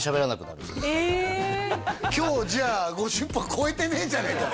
今日じゃあ５０％超えてねえじゃねえか！